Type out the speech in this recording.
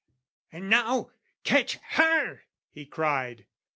"And now, catch her!" he cried.